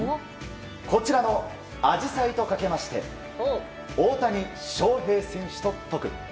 こちらのアジサイとかけまして大谷翔平選手ととく。